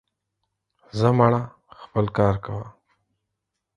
زه مړه, خپل کار کوه.